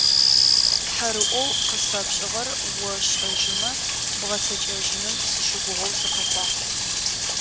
Тхьэрыӏоу къысфэпшӏыгъэр ошӏэжьымэ, бгъэцэкӏэжьыным сыщыгугъэу сыкъэкӏуагъ.